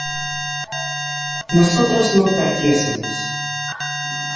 nosotros no partiésemos